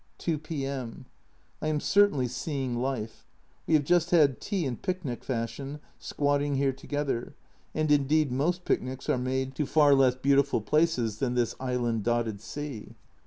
2 P.M. I am certainly seeing life : we have just had tea in picnic fashion, squatting here together and indeed most picnics are made to far less beautiful places than this island dotted sea.